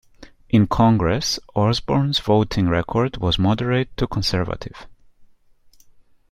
In Congress, Osborne's voting record was moderate to conservative.